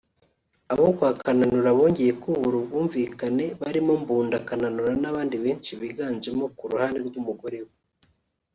abo kwa Kananura bongeye kubura ubwumvikane barimo Mbundu Kananura n’abandi benshi biganjemo ku ruhande rw’umugore we